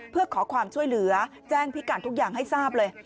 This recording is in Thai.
เพื่อขอความช่วยเหลือแจ้งพิการทุกอย่างให้ทราบเลย